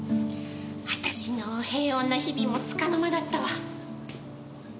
私の平穏な日々もつかの間だったわ。